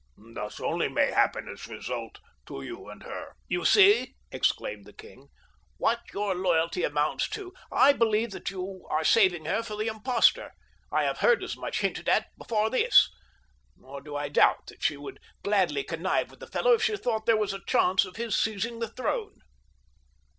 Thus only may happiness result to you and to her." "You see," exclaimed the king, "what your loyalty amounts to! I believe that you are saving her for the impostor—I have heard as much hinted at before this. Nor do I doubt that she would gladly connive with the fellow if she thought there was a chance of his seizing the throne."